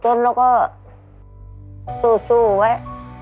จนแล้วก็สู้สู้ไว้